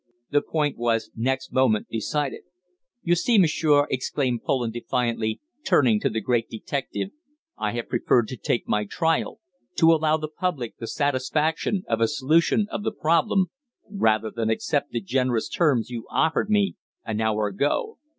The point was next moment decided. "You see, m'sieur," exclaimed Poland defiantly, turning to the great detective, "I have preferred to take my trial to allow the public the satisfaction of a solution of the problem, rather than accept the generous terms you offered me an hour ago."